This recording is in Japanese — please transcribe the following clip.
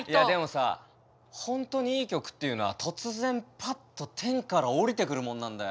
でもさ本当にいい曲っていうのは突然パッと天から降りてくるもんなんだよ。